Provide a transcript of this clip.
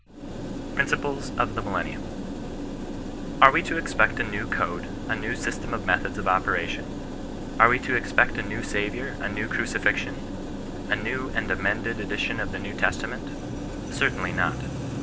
PRINCIPLES OP THE MILLENNIUM. '^ Are we to expect a new code, a new system of methods of operation % Are we to expect a new Saviour, a new crucifixion, a new and amended edition of the New Testa ment 1 Certainly not.